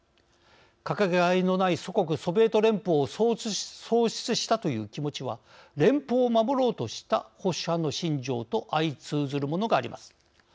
かけがえのない祖国ソビエト連邦を喪失したという気持ちは連邦を守ろうとした保守派の心情と相通じるものがあります。